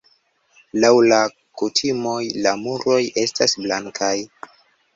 Laŭ la kutimoj la muroj estas blankaj.